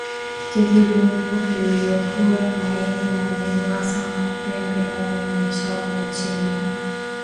Tezi limfu iliyofura na yenye maumivu hasa pembeni ndani ya mashavu na chini ya